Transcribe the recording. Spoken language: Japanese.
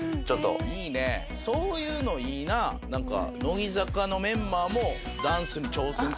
いいねそういうのいいな。何か。